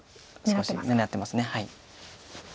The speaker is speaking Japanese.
少し狙ってます。